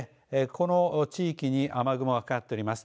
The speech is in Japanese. この地域に雨雲がかかっております。